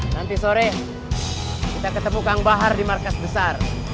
nanti sore kita ketemu kang bahar di markas besar